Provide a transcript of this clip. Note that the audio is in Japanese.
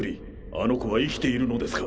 あの子は生きているのですか？